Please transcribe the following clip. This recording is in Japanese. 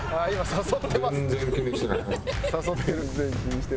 誘ってるね。